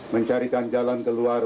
mencarikan jalan keluar